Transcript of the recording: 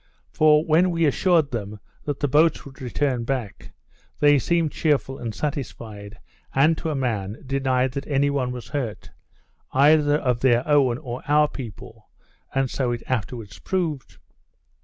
For when we assured them that the boats would return back, they seemed cheerful and satisfied, and to a man, denied that any one was hurt, either of their own or our people, and so it afterwards proved.